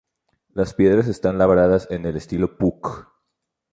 Las piedras están labradas en el estilo Puuc.